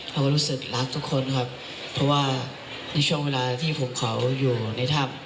เขาก็รู้สึกรักทุกคนครับเพราะว่าในช่วงเวลาที่ผมเขาอยู่ในถ้ำ